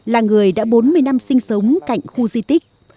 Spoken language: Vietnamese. là người đã bốn mươi năm sinh sống cạnh khu di tích